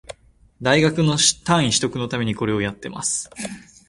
大学の単位取得のためにこれをやってます